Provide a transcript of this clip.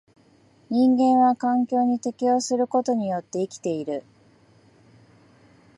人間は環境に適応することによって生きている。